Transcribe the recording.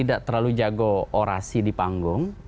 tidak terlalu jago orasi di panggung